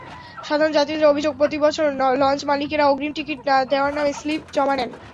সাধারণ যাত্রীদের অভিযোগ, প্রতিবছর লঞ্চমালিকেরা অগ্রিম টিকিট দেওয়ার নামে স্লিপ জমা নেন।